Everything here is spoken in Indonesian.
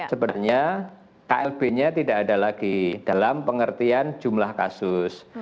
sebenarnya klb nya tidak ada lagi dalam pengertian jumlah kasus